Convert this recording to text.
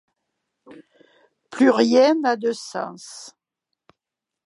Plus rien n'a de sens.